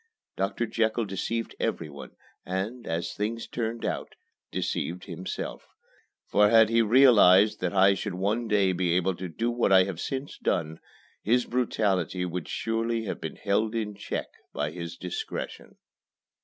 Doctor Jekyll deceived everyone, and as things turned out deceived himself; for had he realized then that I should one day be able to do what I have since done, his brutality would surely have been held in check by his discretion.